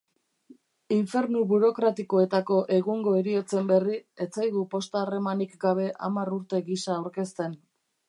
Infernu burokratikoetako egungo heriotzen berri ez zaigu posta-harremanik gabe hamar urte gisa aurkezten.